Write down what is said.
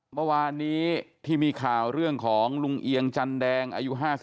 เมื่อวานนี้ที่มีข่าวเรื่องของลุงเอียงจันแดงอายุ๕๓